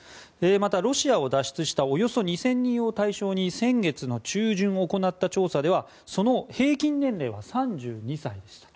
またロシアを脱出したおよそ２０００人を対象に先月の中旬行った調査ではその平均年齢が３２歳です。